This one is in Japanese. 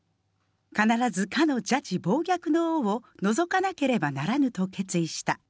必ずかの邪智暴虐の王を除かなければならぬと決意した。